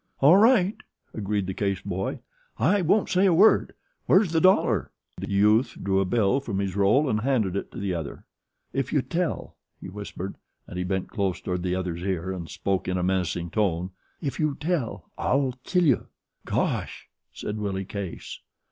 "All right," agreed the Case boy. "I won't say a word where's the dollar?" The youth drew a bill from his roll and handed it to the other. "If you tell," he whispered, and he bent close toward the other's ear and spoke in a menacing tone; "If you tell, I'll kill you!" "Gosh!" said Willie Case.